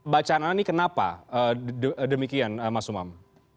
bacaan anda ini kenapa demikian mas umam